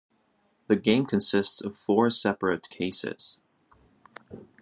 The game consists of four separate cases.